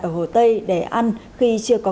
ở hồ tây để ăn khi chưa có